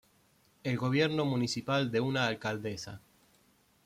El gobierno municipal de una alcaldesa.